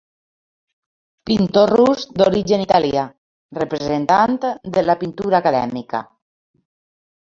Pintor rus d'origen italià, representant de la pintura acadèmica.